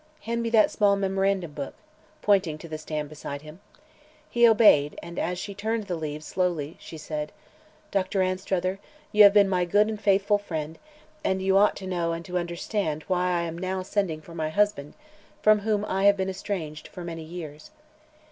"Hand me that small memorandum book," pointing to the stand beside him. He obeyed, and as she turned the leaves slowly she said: "Doctor Anstruther, you have been my good and faithful friend, and you ought to know and to understand why I am now sending for my husband, from whom I have been estranged for many years.